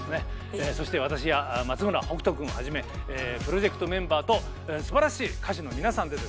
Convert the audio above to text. そして私や松村北斗くんはじめプロジェクトメンバーとすばらしい歌手の皆さんでですね